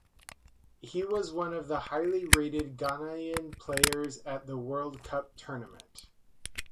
He was one of the highly rated Ghanaian players at the World Cup tournament.